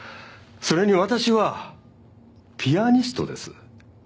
それに私はピアニストです。